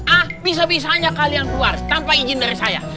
ah bisa bisanya kalian keluar tanpa izin dari saya